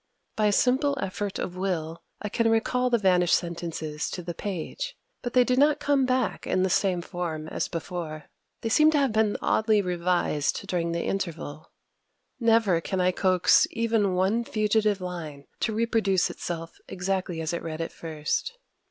By a simple effort of will, I can recall the vanished sentences to the page; but they do not come back in the same form as before: they seem to have been oddly revised during the interval. Never can I coax even one fugitive line to reproduce itself exactly as it read at first.